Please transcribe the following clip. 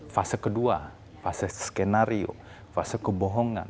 fase kedua fase skenario fase kebohongan